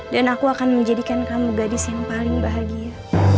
dan aku akan menjadikan kamu gadis yang paling bahagia